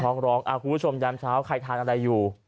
ร้องคุณผู้ชมยามเช้าใครทานอะไรอยู่